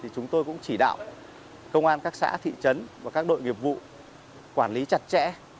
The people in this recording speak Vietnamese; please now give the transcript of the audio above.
chúng tôi cũng chỉ đạo công an các xã thị trấn và các đội nghiệp vụ quản lý chặt chẽ